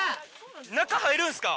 中入るんすか？